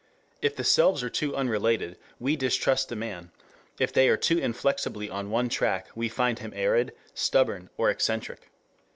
If the selves are too unrelated, we distrust the man; if they are too inflexibly on one track we find him arid, stubborn, or eccentric.